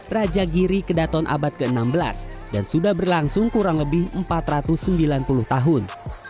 raja giri kedaton abad ke enam belas dan sudah berlangsung kurang lebih empat ratus sembilan puluh tahun